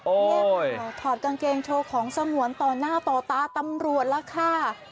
โอ้โฮถอดกางเกงโชว์ของสมวนต่อหน้าต่อตาตำรวจล่ะค่ะ